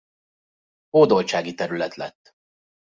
Hódoltsági terület lett.